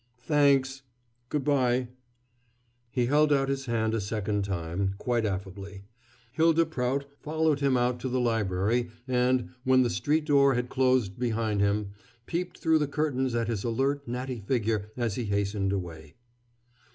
"Thanks. Good by." He held out his hand a second time, quite affably. Hylda Prout followed him out to the library and, when the street door had closed behind him, peeped through the curtains at his alert, natty figure as he hastened away.